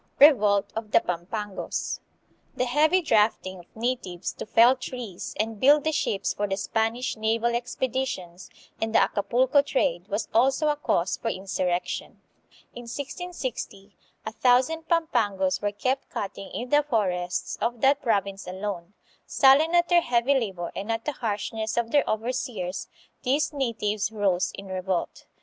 Revolt of the Pampangos. The heavy drafting of natives to fell trees and build the ships for the Spanish naval expeditions and the Acapulco trade was also a cause for insurrection. In 1660 a thousand Pampangos were kept cutting in the forests of that province alone THE DUTCH AND MORO WARS. 1600 1663. 207 Sullen at their heavy labor and at the harshness of their overseers, these natives rose in revolt.